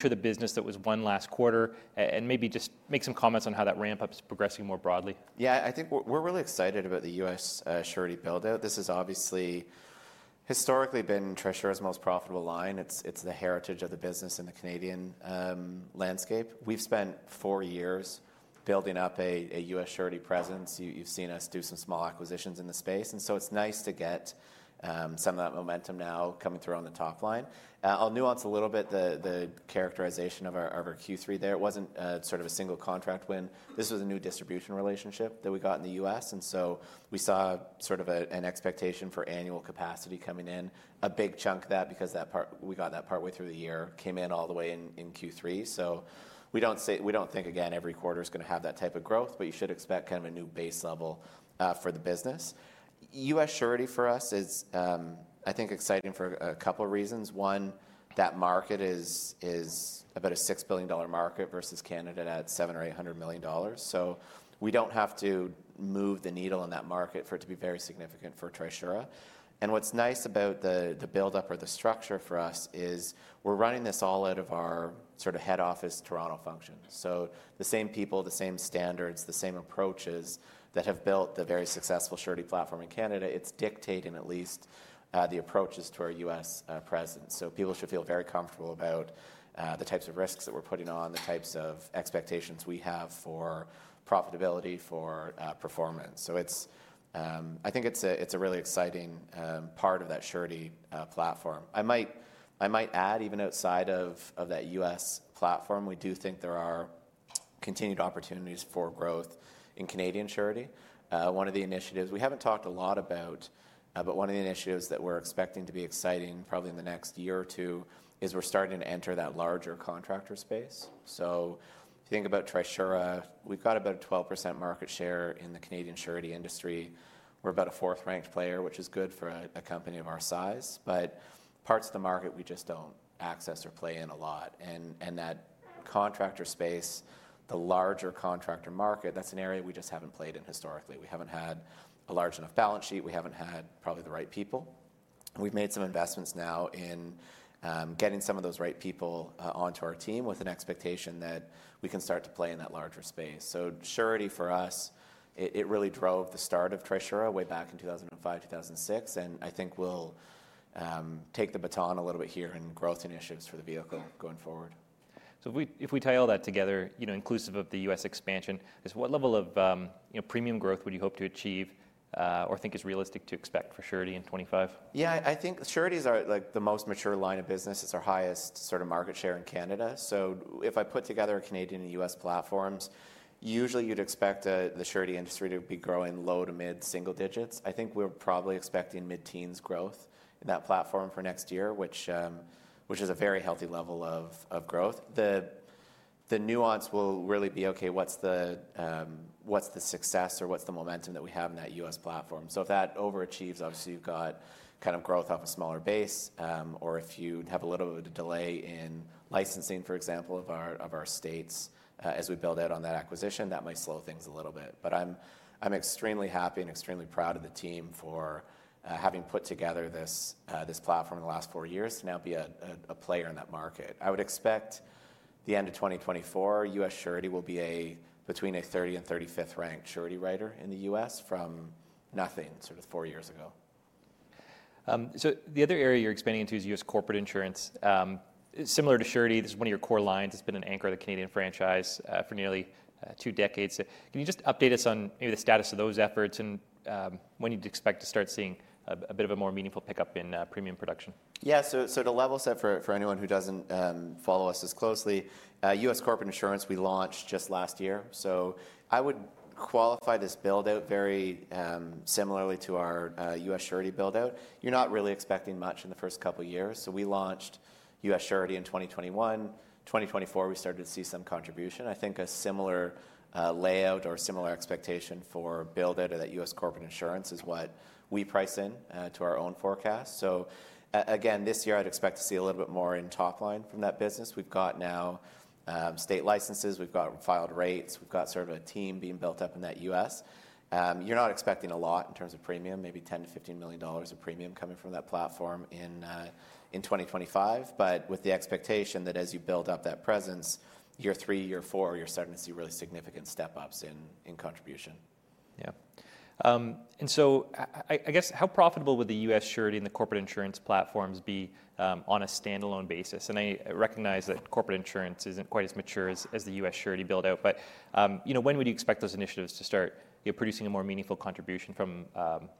For the business that was won last quarter, and maybe just make some comments on how that ramp-up is progressing more broadly? Yeah, I think we're really excited about the U.S. surety build-out. This has obviously historically been Trisura's most profitable line. It's the heritage of the business in the Canadian landscape. We've spent four years building up a U.S. surety presence. You've seen us do some small acquisitions in the space, and so it's nice to get some of that momentum now coming through on the top line. I'll nuance a little bit the characterization of our Q3 there. It wasn't sort of a single contract win. This was a new distribution relationship that we got in the U.S., and so we saw sort of an expectation for annual capacity coming in. A big chunk of that, because we got that partway through the year, campe in all the way in Q3. So we don't think, again, every quarter is going to have that type of growth, but you should expect kind of a new base level for the business. U.S. surety for us is, I think, exciting for a couple of reasons. One, that market is about a $6 billion market versus Canada at $700 million-$800 million. So we don't have to move the needle in that market for it to be very significant for Trisura. And what's nice about the build-up or the structure for us is we're running this all out of our sort of head office Toronto function. So the same people, the same standards, the same approaches that have built the very successful surety platform in Canada, it's dictating at least the approaches to our U.S. presence. So people should feel very comfortable about the types of risks that we're putting on, the types of expectations we have for profitability, for performance. So I think it's a really exciting part of that surety platform. I might add, even outside of that U.S. platform, we do think there are continued opportunities for growth in Canadian surety. One of the initiatives we haven't talked a lot about, but one of the initiatives that we're expecting to be exciting probably in the next year or two is we're starting to enter that larger contractor space. So if you think about Trisura, we've got about a 12% market share in the Canadian surety industry. We're about a fourth-ranked player, which is good for a company of our size, but parts of the market we just don't access or play in a lot. That contractor space, the larger contractor market, that's an area we just haven't played in historically. We haven't had a large enough balance sheet. We haven't had probably the right people. We've made some investments now in getting some of those right people onto our team with an expectation that we can start to play in that larger space. Surety for us, it really drove the start of Trisura way back in 2005, 2006, and I think we'll take the baton a little bit here in growth initiatives for the vehicle going forward. So if we tie all that together, inclusive of the U.S. expansion, what level of premium growth would you hope to achieve or think is realistic to expect for surety in 2025? Yeah, I think surety is the most mature line of business. It's our highest sort of market share in Canada. So if I put together Canadian and U.S. platforms, usually you'd expect the surety industry to be growing low to mid single digits. I think we're probably expecting mid-teens growth in that platform for next year, which is a very healthy level of growth. The nuance will really be, okay, what's the success or what's the momentum that we have in that U.S. platform? So if that overachieves, obviously you've got kind of growth off a smaller base, or if you have a little bit of a delay in licensing, for example, of our states as we build out on that acquisition, that might slow things a little bit. But I'm extremely happy and extremely proud of the team for having put together this platform in the last four years to now be a player in that market. I would expect the end of 2024, U.S. surety will be between a 30th and 35th-ranked surety writer in the U.S. from nothing sort of four years ago. So the other area you're expanding into is U.S. corporate insurance. Similar to surety, this is one of your core lines. It's been an anchor of the Canadian franchise for nearly two decades. Can you just update us on maybe the status of those efforts and when you'd expect to start seeing a bit of a more meaningful pickup in premium production? Yeah, so to level set for anyone who doesn't follow us as closely, U.S. corporate insurance we launched just last year. So I would qualify this build-out very similarly to our U.S. surety build-out. You're not really expecting much in the first couple of years. So we launched U.S. surety in 2021. In 2024, we started to see some contribution. I think a similar layout or similar expectation for build-out of that U.S. corporate insurance is what we price in to our own forecast. So again, this year I'd expect to see a little bit more in top line from that business. We've got now state licenses. We've got filed rates. We've got sort of a team being built up in that U.S. You're not expecting a lot in terms of premium, maybe $10 million-$15 million of premium coming from that platform in 2025, but with the expectation that as you build up that presence, year three, year four, you're starting to see really significant step-ups in contribution. Yeah. And so I guess how profitable would the U.S. surety and the corporate insurance platforms be on a standalone basis? And I recognize that corporate insurance isn't quite as mature as the U.S. surety build-out, but when would you expect those initiatives to start producing a more meaningful contribution from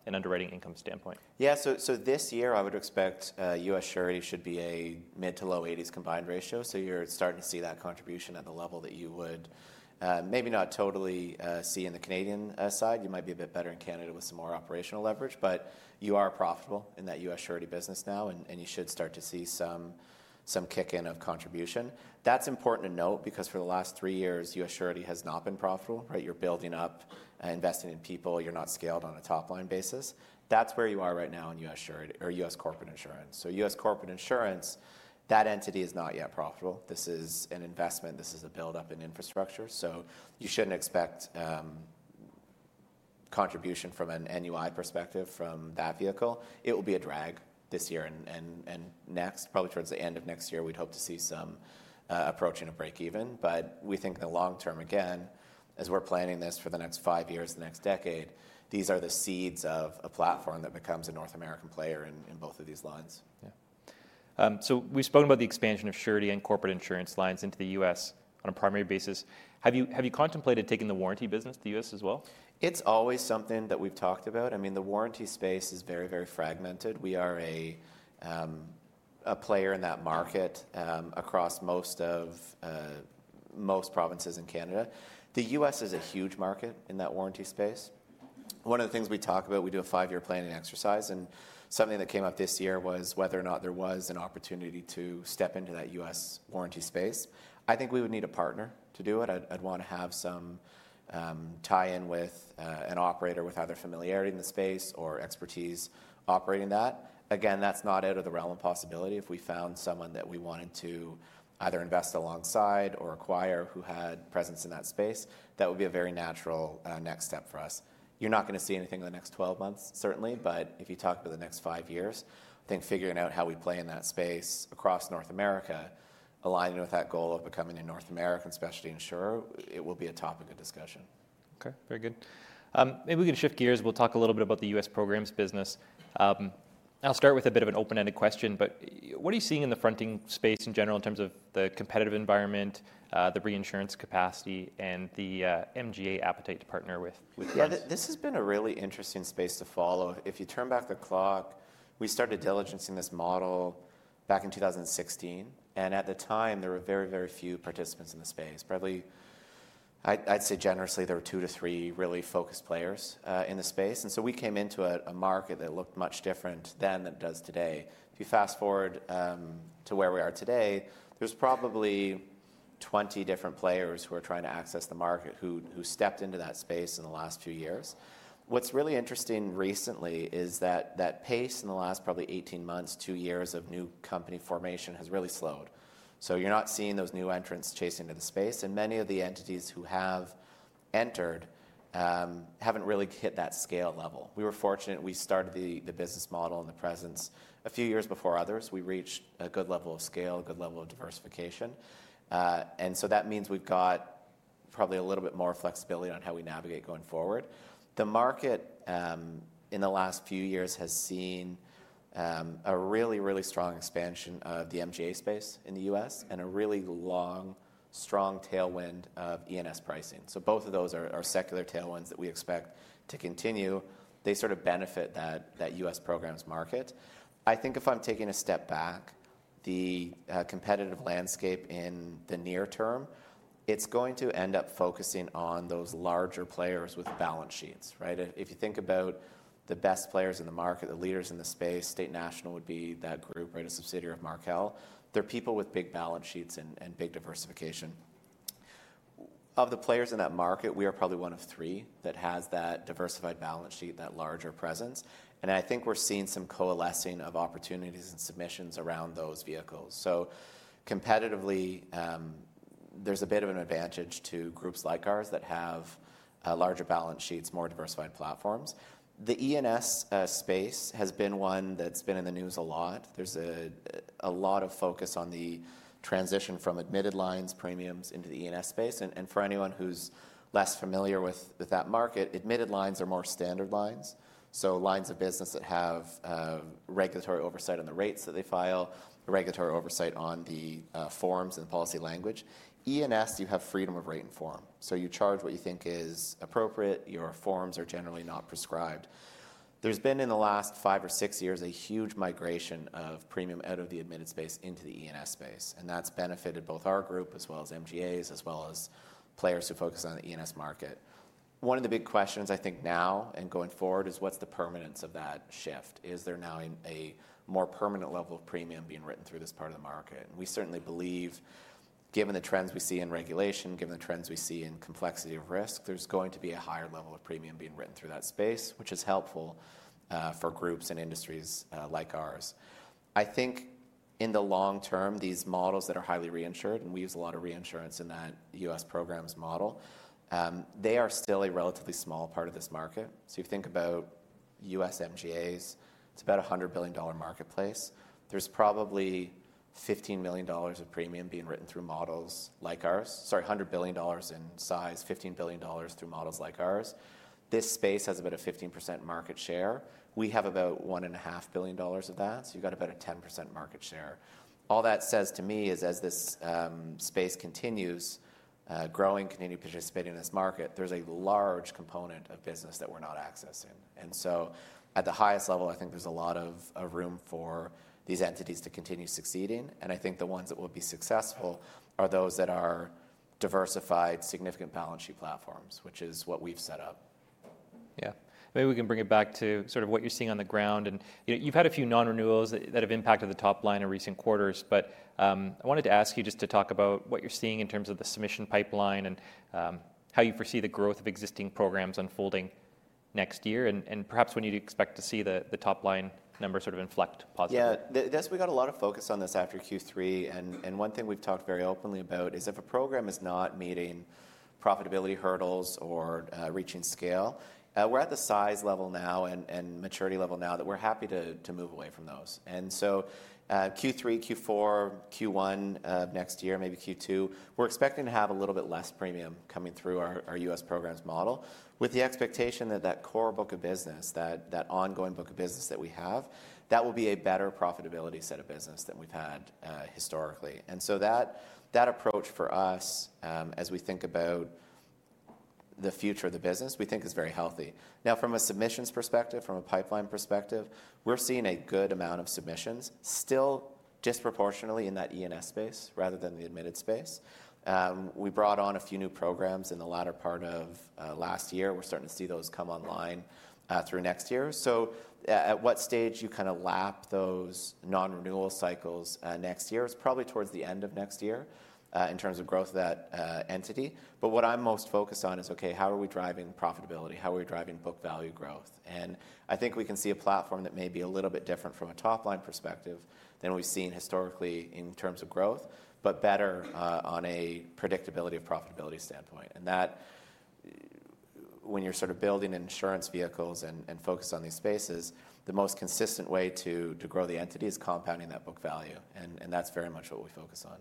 an underwriting income standpoint? Yeah, so this year I would expect U.S. surety should be a mid- to low-80s combined ratio. So you're starting to see that contribution at the level that you would maybe not totally see in the Canadian side. You might be a bit better in Canada with some more operational leverage, but you are profitable in that U.S. surety business now, and you should start to see some kick-in of contribution. That's important to note because for the last three years, U.S. surety has not been profitable, right? You're building up, investing in people. You're not scaled on a top line basis. That's where you are right now in U.S. surety or U.S. corporate insurance. So U.S. corporate insurance, that entity is not yet profitable. This is an investment. This is a build-up in infrastructure. So you shouldn't expect contribution from an NUI perspective from that vehicle. It will be a drag this year and next. Probably towards the end of next year, we'd hope to see some approaching a break-even. But we think in the long term, again, as we're planning this for the next five years, the next decade, these are the seeds of a platform that becomes a North American player in both of these lines. Yeah. So we've spoken about the expansion of surety and corporate insurance lines into the U.S. on a primary basis. Have you contemplated taking the warranty business to the U.S. as well? It's always something that we've talked about. I mean, the warranty space is very, very fragmented. We are a player in that market across most provinces in Canada. The U.S. is a huge market in that warranty space. One of the things we talk about, we do a five-year planning exercise, and something that came up this year was whether or not there was an opportunity to step into that U.S. warranty space. I think we would need a partner to do it. I'd want to have some tie-in with an operator with either familiarity in the space or expertise operating that. Again, that's not out of the realm of possibility. If we found someone that we wanted to either invest alongside or acquire who had presence in that space, that would be a very natural next step for us. You're not going to see anything in the next 12 months, certainly, but if you talk about the next five years, I think figuring out how we play in that space across North America, aligning with that goal of becoming a North American specialty insurer, it will be a topic of discussion. Okay, very good. Maybe we can shift gears. We'll talk a little bit about the U.S. programs business. I'll start with a bit of an open-ended question, but what are you seeing in the fronting space in general in terms of the competitive environment, the reinsurance capacity, and the MGA appetite to partner with U.S.? Yeah, this has been a really interesting space to follow. If you turn back the clock, we started diligencing this model back in 2016, and at the time, there were very, very few participants in the space. Probably, I'd say generously, there were two to three really focused players in the space. And so we came into a market that looked much different than it does today. If you fast forward to where we are today, there's probably 20 different players who are trying to access the market who stepped into that space in the last few years. What's really interesting recently is that that pace in the last probably 18 months, two years of new company formation has really slowed. So you're not seeing those new entrants chasing into the space, and many of the entities who have entered haven't really hit that scale level. We were fortunate. We started the business model and the presence a few years before others. We reached a good level of scale, a good level of diversification. And so that means we've got probably a little bit more flexibility on how we navigate going forward. The market in the last few years has seen a really, really strong expansion of the MGA space in the U.S. and a really long, strong tailwind of E&S pricing. So both of those are secular tailwinds that we expect to continue. They sort of benefit that U.S. programs market. I think if I'm taking a step back, the competitive landscape in the near term, it's going to end up focusing on those larger players with balance sheets, right? If you think about the best players in the market, the leaders in the space, State National would be that group, right, a subsidiary of Markel. They're people with big balance sheets and big diversification. Of the players in that market, we are probably one of three that has that diversified balance sheet, that larger presence, and I think we're seeing some coalescing of opportunities and submissions around those vehicles. So competitively, there's a bit of an advantage to groups like ours that have larger balance sheets, more diversified platforms. The E&S space has been one that's been in the news a lot. There's a lot of focus on the transition from admitted lines, premiums into the E&S space. And for anyone who's less familiar with that market, admitted lines are more standard lines. Lines of business that have regulatory oversight on the rates that they file, regulatory oversight on the forms and policy language. E&S, you have freedom of rate and form. So you charge what you think is appropriate. Your forms are generally not prescribed. There's been, in the last five or six years, a huge migration of premium out of the admitted space into the E&S space, and that's benefited both our group as well as MGAs as well as players who focus on the E&S market. One of the big questions I think now and going forward is what's the permanence of that shift? Is there now a more permanent level of premium being written through this part of the market? We certainly believe, given the trends we see in regulation, given the trends we see in complexity of risk, there's going to be a higher level of premium being written through that space, which is helpful for groups and industries like ours. I think in the long term, these models that are highly reinsured, and we use a lot of reinsurance in that U.S. programs model, they are still a relatively small part of this market. So you think about U.S. MGAs, it's about a $100 billion marketplace. There's probably $15 million of premium being written through models like ours, sorry, $100 billion in size, $15 billion through models like ours. This space has about a 15% market share. We have about $1.5 billion of that. So you've got about a 10% market share. All that says to me is as this space continues growing, continuing to participate in this market, there's a large component of business that we're not accessing, and so at the highest level, I think there's a lot of room for these entities to continue succeeding, and I think the ones that will be successful are those that are diversified, significant balance sheet platforms, which is what we've set up. Yeah. Maybe we can bring it back to sort of what you're seeing on the ground, and you've had a few non-renewals that have impacted the top line in recent quarters, but I wanted to ask you just to talk about what you're seeing in terms of the submission pipeline and how you foresee the growth of existing programs unfolding next year, and perhaps when you'd expect to see the top line number sort of inflect positively. Yeah, we got a lot of focus on this after Q3, and one thing we've talked very openly about is if a program is not meeting profitability hurdles or reaching scale. We're at the size level now and maturity level now that we're happy to move away from those. And so Q3, Q4, Q1 of next year, maybe Q2, we're expecting to have a little bit less premium coming through our U.S. programs model with the expectation that that core book of business, that ongoing book of business that we have, that will be a better profitability set of business than we've had historically. And so that approach for us, as we think about the future of the business, we think is very healthy. Now, from a submissions perspective, from a pipeline perspective, we're seeing a good amount of submissions still disproportionately in that E&S space rather than the admitted space. We brought on a few new programs in the latter part of last year. We're starting to see those come online through next year. So at what stage you kind of lap those non-renewal cycles next year is probably towards the end of next year in terms of growth of that entity. But what I'm most focused on is, okay, how are we driving profitability? How are we driving book value growth? And I think we can see a platform that may be a little bit different from a top line perspective than we've seen historically in terms of growth, but better on a predictability of profitability standpoint. That when you're sort of building insurance vehicles and focused on these spaces, the most consistent way to grow the entity is compounding that book value, and that's very much what we focus on.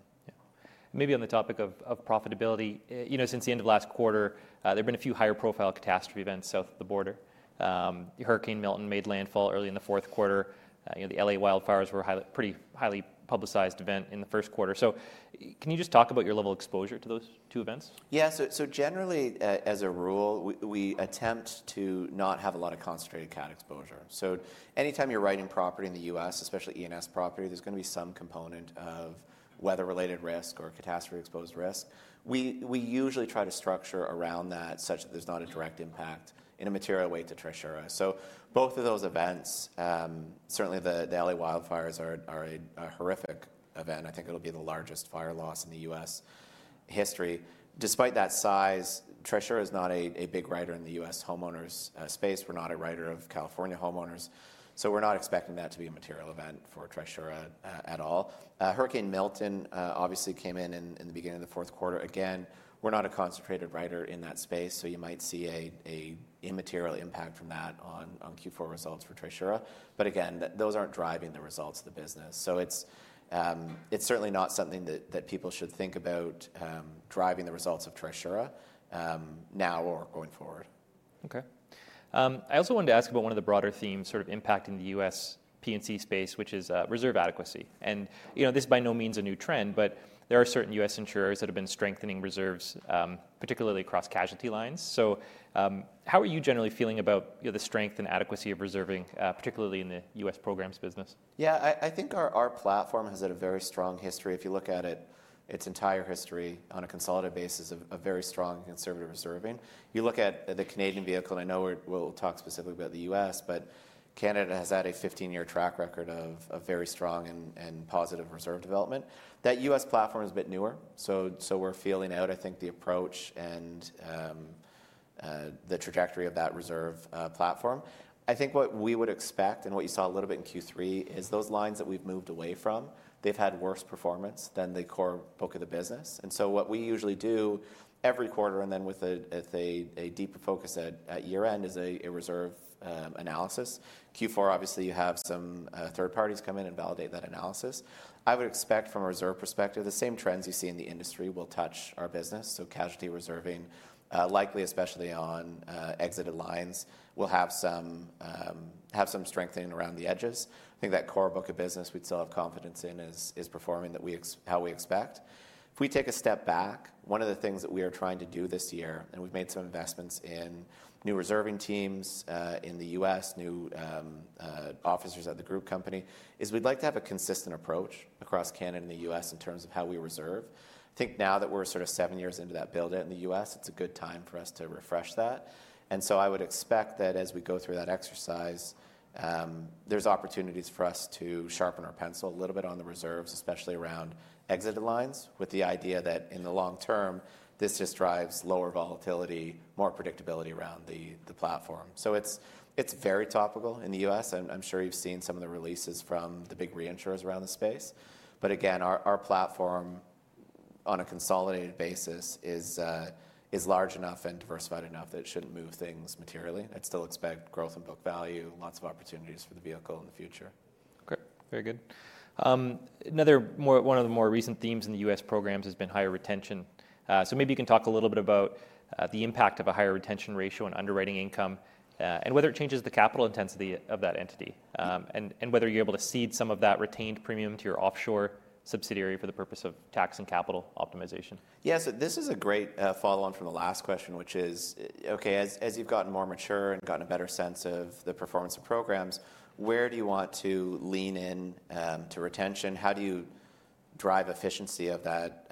Yeah. Maybe on the topic of profitability, you know, since the end of last quarter, there have been a few higher profile catastrophe events south of the border. Hurricane Milton made landfall early in the fourth quarter. The LA wildfires were a pretty highly publicized event in the first quarter. So can you just talk about your level of exposure to those two events? Yeah. So generally, as a rule, we attempt to not have a lot of concentrated CAT exposure. So anytime you're writing property in the U.S., especially E&S property, there's going to be some component of weather-related risk or catastrophe-exposed risk. We usually try to structure around that such that there's not a direct impact in a material way to Trisura. So both of those events, certainly the LA wildfires are a horrific event. I think it'll be the largest fire loss in the U.S. history. Despite that size, Trisura is not a big writer in the U.S. homeowners space. We're not a writer of California homeowners. So we're not expecting that to be a material event for Trisura at all. Hurricane Milton obviously came in in the beginning of the fourth quarter. Again, we're not a concentrated writer in that space, so you might see an immaterial impact from that on Q4 results for Trisura. But again, those aren't driving the results of the business. So it's certainly not something that people should think about driving the results of Trisura now or going forward. Okay. I also wanted to ask about one of the broader themes sort of impacting the U.S. P&C space, which is reserve adequacy, and this is by no means a new trend, but there are certain U.S. insurers that have been strengthening reserves, particularly across casualty lines, so how are you generally feeling about the strength and adequacy of reserving, particularly in the U.S. programs business? Yeah, I think our platform has had a very strong history. If you look at its entire history on a consolidated basis of very strong and conservative reserving, you look at the Canadian vehicle, and I know we'll talk specifically about the U.S., but Canada has had a 15-year track record of very strong and positive reserve development. That U.S. platform is a bit newer, so we're feeling out, I think, the approach and the trajectory of that reserve platform. I think what we would expect and what you saw a little bit in Q3 is those lines that we've moved away from, they've had worse performance than the core book of the business. And so what we usually do every quarter, and then with a deeper focus at year-end, is a reserve analysis. Q4, obviously, you have some third parties come in and validate that analysis. I would expect from a reserve perspective, the same trends you see in the industry will touch our business. So casualty reserving, likely especially on exited lines, will have some strengthening around the edges. I think that core book of business we'd still have confidence in is performing how we expect. If we take a step back, one of the things that we are trying to do this year, and we've made some investments in new reserving teams in the U.S., new officers at the group company, is we'd like to have a consistent approach across Canada and the U.S. in terms of how we reserve. I think now that we're sort of seven years into that buildout in the U.S., it's a good time for us to refresh that. And so I would expect that as we go through that exercise, there's opportunities for us to sharpen our pencil a little bit on the reserves, especially around exited lines, with the idea that in the long term, this just drives lower volatility, more predictability around the platform. So it's very topical in the U.S. I'm sure you've seen some of the releases from the big reinsurers around the space. But again, our platform on a consolidated basis is large enough and diversified enough that it shouldn't move things materially. I'd still expect growth in book value, lots of opportunities for the vehicle in the future. Okay, very good. Another one of the more recent themes in the U.S. programs has been higher retention. So maybe you can talk a little bit about the impact of a higher retention ratio on underwriting income and whether it changes the capital intensity of that entity and whether you're able to cede some of that retained premium to your offshore subsidiary for the purpose of tax and capital optimization. Yeah, so this is a great follow-on from the last question, which is, okay, as you've gotten more mature and gotten a better sense of the performance of programs, where do you want to lean in to retention? How do you drive efficiency of that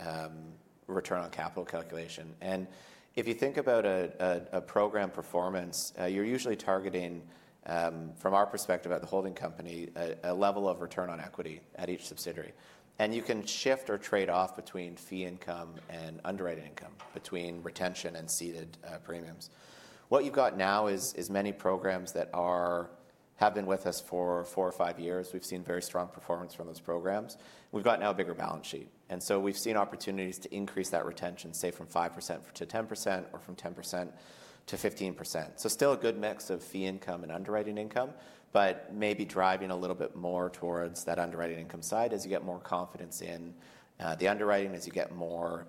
return on capital calculation? And if you think about a program performance, you're usually targeting, from our perspective at the holding company, a level of return on equity at each subsidiary. And you can shift or trade off between fee income and underwriting income, between retention and ceding premiums. What you've got now is many programs that have been with us for four or five years. We've seen very strong performance from those programs. We've got now a bigger balance sheet. And so we've seen opportunities to increase that retention, say from 5% to 10% or from 10% to 15%. So still a good mix of fee income and underwriting income, but maybe driving a little bit more towards that underwriting income side as you get more confidence in the underwriting, as you get more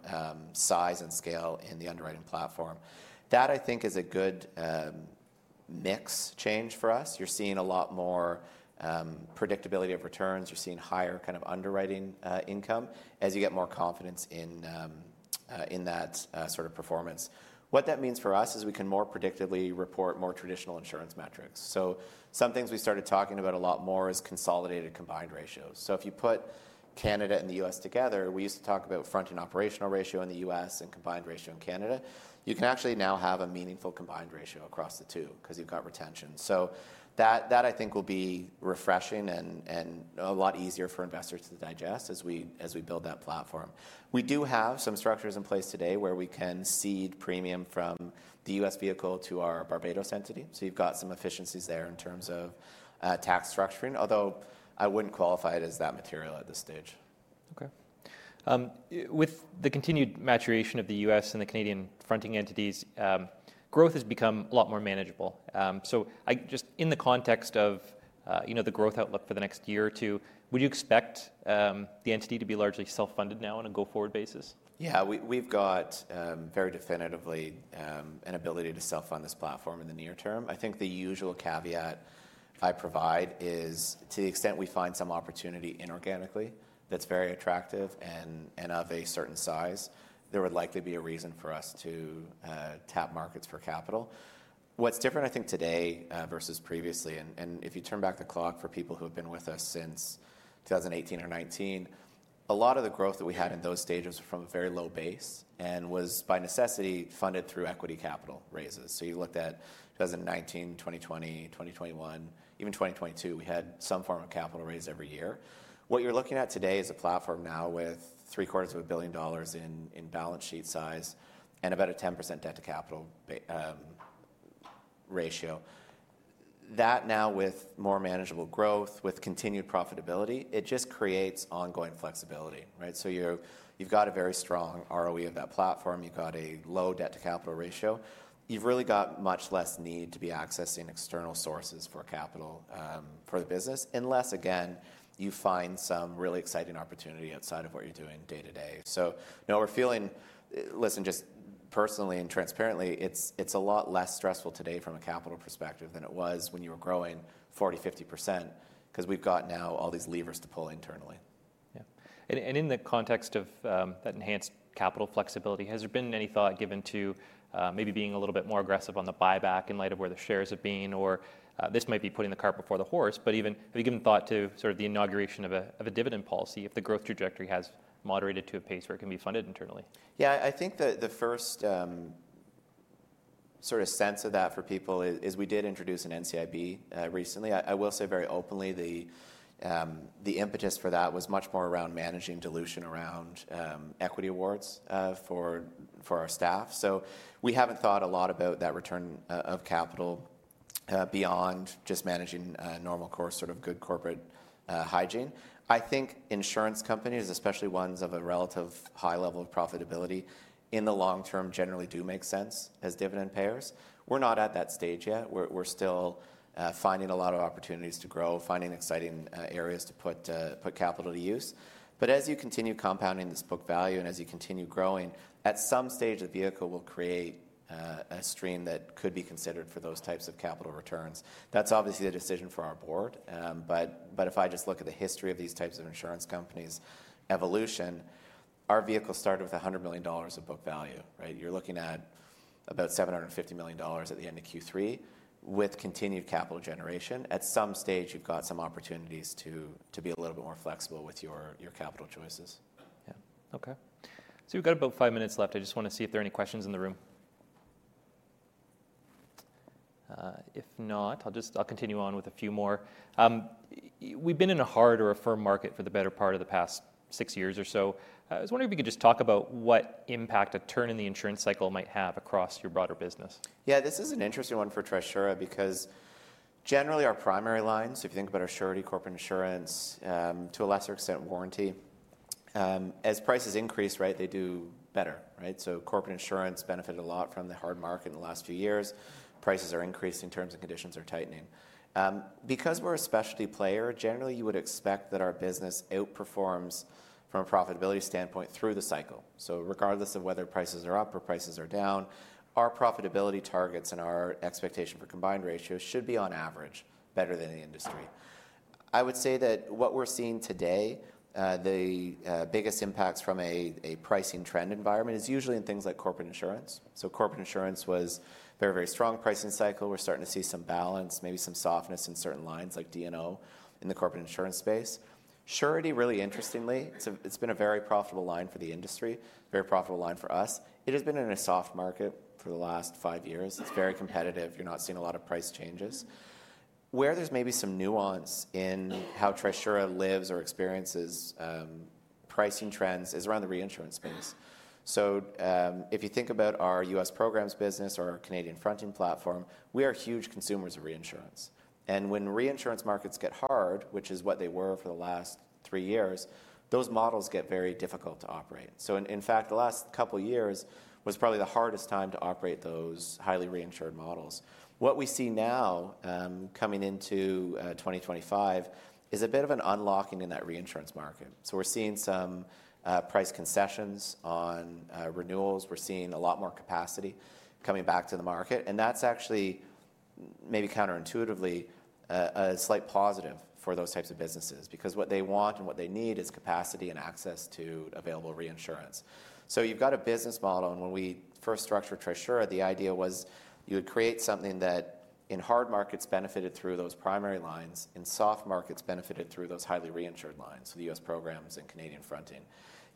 size and scale in the underwriting platform. That, I think, is a good mix change for us. You're seeing a lot more predictability of returns. You're seeing higher kind of underwriting income as you get more confidence in that sort of performance. What that means for us is we can more predictably report more traditional insurance metrics. So some things we started talking about a lot more is consolidated combined ratios. So if you put Canada and the U.S. together, we used to talk about fronting operational ratio in the U.S. and combined ratio in Canada. You can actually now have a meaningful combined ratio across the two because you've got retention. That, I think, will be refreshing and a lot easier for investors to digest as we build that platform. We do have some structures in place today where we can cede premium from the U.S. vehicle to our Barbados entity. You've got some efficiencies there in terms of tax structuring, although I wouldn't qualify it as that material at this stage. Okay. With the continued maturation of the U.S. and the Canadian fronting entities, growth has become a lot more manageable. So just in the context of the growth outlook for the next year or two, would you expect the entity to be largely self-funded now on a go-forward basis? Yeah, we've got very definitively an ability to self-fund this platform in the near term. I think the usual caveat I provide is to the extent we find some opportunity inorganically that's very attractive and of a certain size, there would likely be a reason for us to tap markets for capital. What's different, I think, today versus previously, and if you turn back the clock for people who have been with us since 2018 or 2019, a lot of the growth that we had in those stages was from a very low base and was by necessity funded through equity capital raises. So you looked at 2019, 2020, 2021, even 2022, we had some form of capital raised every year. What you're looking at today is a platform now with 750 million dollars in balance sheet size and about a 10% debt to capital ratio. That now with more manageable growth, with continued profitability, it just creates ongoing flexibility, right? So you've got a very strong ROE of that platform. You've got a low debt-to-capital ratio. You've really got much less need to be accessing external sources for capital for the business unless, again, you find some really exciting opportunity outside of what you're doing day to day. So now we're feeling, listen, just personally and transparently, it's a lot less stressful today from a capital perspective than it was when you were growing 40%-50% because we've got now all these levers to pull internally. Yeah. And in the context of that enhanced capital flexibility, has there been any thought given to maybe being a little bit more aggressive on the buyback in light of where the shares have been? Or this might be putting the cart before the horse, but even have you given thought to sort of the inauguration of a dividend policy if the growth trajectory has moderated to a pace where it can be funded internally? Yeah, I think the first sort of sense of that for people is we did introduce an NCIB recently. I will say very openly the impetus for that was much more around managing dilution around equity awards for our staff. So we haven't thought a lot about that return of capital beyond just managing normal course sort of good corporate hygiene. I think insurance companies, especially ones of a relative high level of profitability in the long term, generally do make sense as dividend payers. We're not at that stage yet. We're still finding a lot of opportunities to grow, finding exciting areas to put capital to use. But as you continue compounding this book value and as you continue growing, at some stage the vehicle will create a stream that could be considered for those types of capital returns. That's obviously a decision for our board. But if I just look at the history of these types of insurance companies' evolution, our vehicle started with 100 million dollars of book value, right? You're looking at about 750 million dollars at the end of Q3 with continued capital generation. At some stage, you've got some opportunities to be a little bit more flexible with your capital choices. Yeah. Okay. So we've got about five minutes left. I just want to see if there are any questions in the room. If not, I'll continue on with a few more. We've been in a hard or a firm market for the better part of the past six years or so. I was wondering if you could just talk about what impact a turn in the insurance cycle might have across your broader business. Yeah, this is an interesting one for Trisura because generally our primary lines, if you think about a surety corporate insurance to a lesser extent warranty, as prices increase, right, they do better, right? So corporate insurance benefited a lot from the hard market in the last few years. Prices are increasing terms and conditions are tightening. Because we're a specialty player, generally you would expect that our business outperforms from a profitability standpoint through the cycle. So regardless of whether prices are up or prices are down, our profitability targets and our expectation for combined ratios should be on average better than the industry. I would say that what we're seeing today, the biggest impacts from a pricing trend environment is usually in things like corporate insurance. So corporate insurance was a very, very strong pricing cycle. We're starting to see some balance, maybe some softness in certain lines like D&O in the corporate insurance space. Surety, really interestingly, it's been a very profitable line for the industry, very profitable line for us. It has been in a soft market for the last five years. It's very competitive. You're not seeing a lot of price changes. Where there's maybe some nuance in how Trisura lives or experiences pricing trends is around the reinsurance space. So if you think about our U.S. programs business or our Canadian fronting platform, we are huge consumers of reinsurance. And when reinsurance markets get hard, which is what they were for the last three years, those models get very difficult to operate. So in fact, the last couple of years was probably the hardest time to operate those highly reinsured models. What we see now coming into 2025 is a bit of an unlocking in that reinsurance market. So we're seeing some price concessions on renewals. We're seeing a lot more capacity coming back to the market. And that's actually maybe counterintuitively a slight positive for those types of businesses because what they want and what they need is capacity and access to available reinsurance. So you've got a business model. And when we first structured Trisura, the idea was you would create something that in hard markets benefited through those primary lines, in soft markets benefited through those highly reinsured lines, so the U.S. programs and Canadian fronting.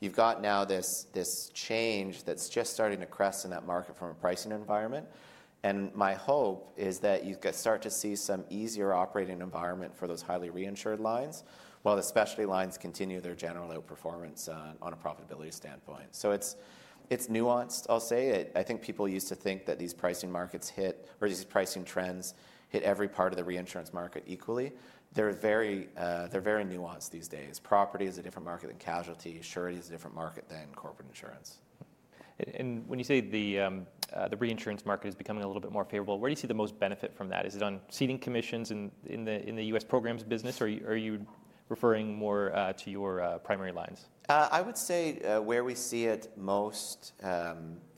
You've got now this change that's just starting to crest in that market from a pricing environment. My hope is that you start to see some easier operating environment for those highly reinsured lines while the specialty lines continue their general outperformance on a profitability standpoint. So it's nuanced, I'll say. I think people used to think that these pricing markets hit or these pricing trends hit every part of the reinsurance market equally. They're very nuanced these days. Property is a different market than casualty. Surety is a different market than corporate insurance. When you say the reinsurance market is becoming a little bit more favorable, where do you see the most benefit from that? Is it on ceding commissions in the U.S. programs business or are you referring more to your primary lines? I would say where we see it most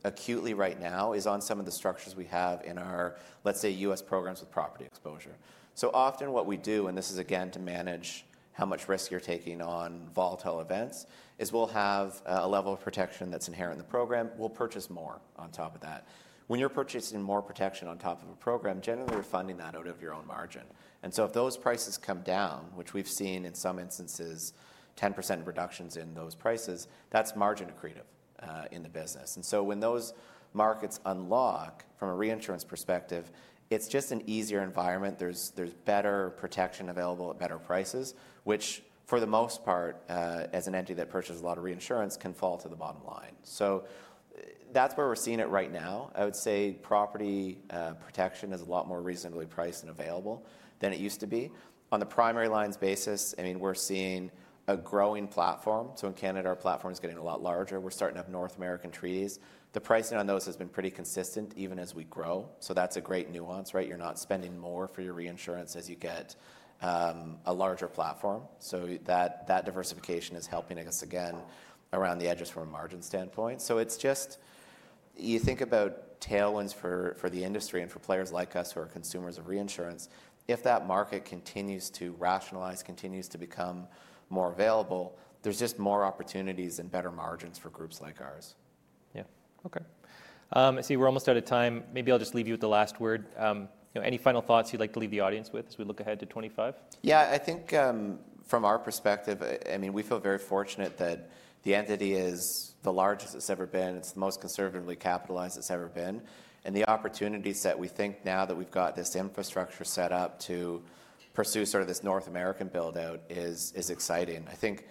acutely right now is on some of the structures we have in our, let's say, U.S. programs with property exposure. So often what we do, and this is again to manage how much risk you're taking on volatile events, is we'll have a level of protection that's inherent in the program. We'll purchase more on top of that. When you're purchasing more protection on top of a program, generally you're funding that out of your own margin. And so if those prices come down, which we've seen in some instances 10% reductions in those prices, that's margin accretive in the business. And so when those markets unlock from a reinsurance perspective, it's just an easier environment. There's better protection available at better prices, which for the most part, as an entity that purchases a lot of reinsurance, can fall to the bottom line. So that's where we're seeing it right now. I would say property protection is a lot more reasonably priced and available than it used to be. On the primary lines basis, I mean, we're seeing a growing platform. So in Canada, our platform is getting a lot larger. We're starting up North American treaties. The pricing on those has been pretty consistent even as we grow. So that's a great nuance, right? You're not spending more for your reinsurance as you get a larger platform. So that diversification is helping us again around the edges from a margin standpoint. So it's just you think about tailwinds for the industry and for players like us who are consumers of reinsurance. If that market continues to rationalize, continues to become more available, there's just more opportunities and better margins for groups like ours. Yeah. Okay. I see we're almost out of time. Maybe I'll just leave you with the last word. Any final thoughts you'd like to leave the audience with as we look ahead to 2025? Yeah, I think from our perspective, I mean, we feel very fortunate that the entity is the largest it's ever been. It's the most conservatively capitalized it's ever been. And the opportunities that we think now that we've got this infrastructure set up to pursue sort of this North American buildout is exciting. I think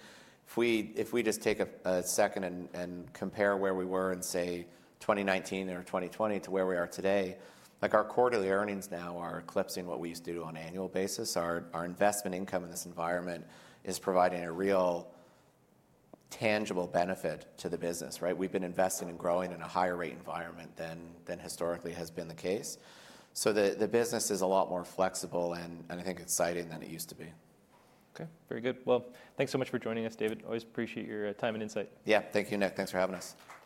if we just take a second and compare where we were in, say, 2019 or 2020 to where we are today, like our quarterly earnings now are eclipsing what we used to do on an annual basis. Our investment income in this environment is providing a real tangible benefit to the business, right? We've been investing and growing in a higher rate environment than historically has been the case. So the business is a lot more flexible and I think exciting than it used to be. Okay. Very good. Well, thanks so much for joining us, David. Always appreciate your time and insight. Yeah, thank you, Nick. Thanks for having us.